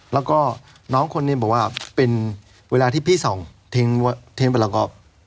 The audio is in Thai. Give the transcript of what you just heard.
แล้วก็น้องคนนี้บอกว่าเป็นเวลาที่พี่ส่องทิ้งไปแล้วก็